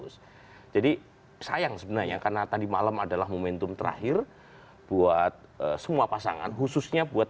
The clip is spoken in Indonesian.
mas burhan karena di malam adalah momentum terakhir buat semua pasangan khususnya buat